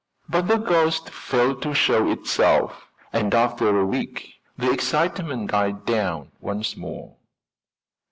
But the ghost failed to show itself, and after a week the excitement died down once more.